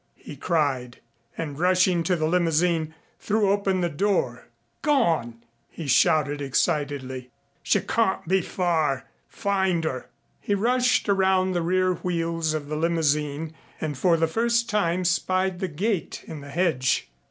he cried and, rushing to the limousine, threw open the door. "Gone!" he shouted excitedly. "She can't be far. Find her." He rushed around the rear wheels of the limousine and for the first time spied the gate in the hedge.